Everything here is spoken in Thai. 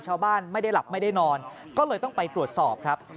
ชาวบ้านไม่ได้หลับไม่ได้นอนก็เลยต้องไปตรวจสอบครับ